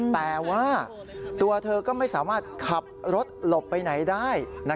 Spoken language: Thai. แต่ว่าตัวเธอก็ไม่สามารถขับรถหลบไปไหนได้